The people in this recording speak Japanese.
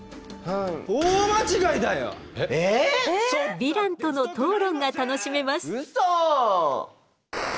ヴィランとの討論が楽しめます。